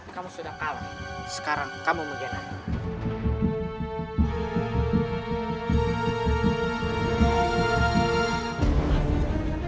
kamu sudah kalah sekarang kamu menjadi anak